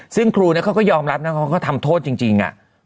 ซึ่งครูน่ะเค้าก็ยอมรับแล้วเค้าทำโทษจริง